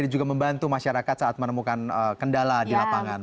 dan juga membantu masyarakat saat menemukan kendala di lapangan